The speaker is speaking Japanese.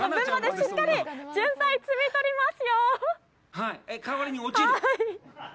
しっかり摘み取ります！